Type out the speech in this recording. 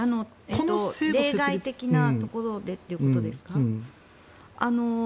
例外的なところでということですか。